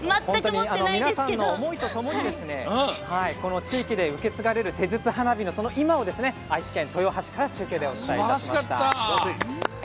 皆さんの思いとともにこの地域で受け継がれる手筒花火の今を愛知県豊橋から中継でお伝えいたしました。